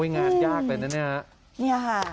งานยากเลยนะนี่